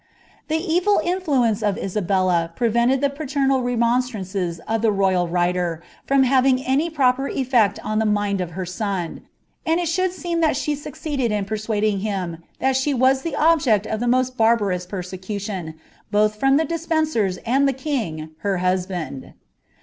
' The eril influence of Isabella prevented the paternal remonstrances of m toywl writer from having any proper effect on the mind of her son ; id it should seem that she succeeded in persuading him that she was m object of the most barbarous persecution, both from the Despencers id the king, her husband.